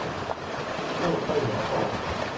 เจ้าถ้อยหมอความ